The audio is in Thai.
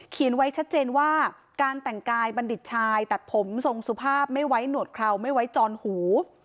ไว้ชัดเจนว่าการแต่งกายบัณฑิตชายตัดผมทรงสุภาพไม่ไว้หนวดเคราไม่ไว้จอนหู